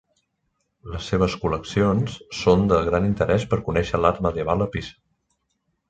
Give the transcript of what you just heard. Les seves col·leccions són de gran interès per conèixer l'art medieval a Pisa.